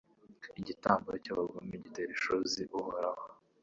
Igitambo cy’abagome gitera ishozi Uhoraho